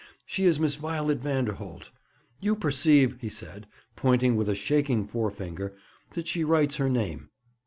She is Miss Violet Vanderholt. You perceive,' he said, pointing with a shaking forefinger, 'that she writes her name.